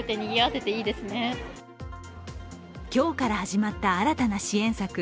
今日から始まった新たな支援策